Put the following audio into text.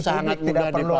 sangat mudah dipahami